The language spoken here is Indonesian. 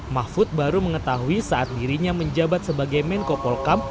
mahfud baru mengetahui saat dirinya menjabat sebagai menko polkam